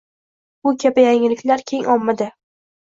bu kabi yangiliklar keng ommada